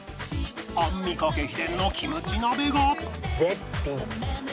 アンミカ家秘伝のキムチ鍋が